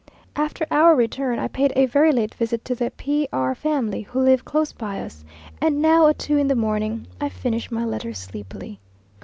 After our return, I paid a very late visit to the P r family, who live close by us, and now, at two in the morning, I finish my letter sleepily.